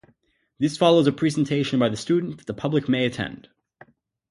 This follows a presentation by the student that the public may attend.